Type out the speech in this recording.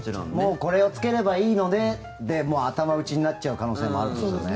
これをつければいいのねで頭打ちになっちゃう可能性もあるということですね。